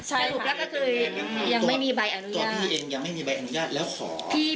ตัวพี่เองยังไม่มีใบอนุญาตแล้วขอ